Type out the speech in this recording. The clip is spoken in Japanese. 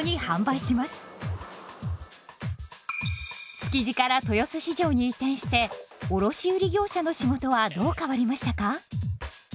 築地から豊洲市場に移転して卸売業者の仕事はどう変わりましたか？